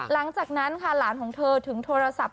หลังจากนั้นค่ะหลานของเธอถึงโทรศัพท์